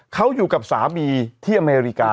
เขาอยู่กับสามีที่อเมริกา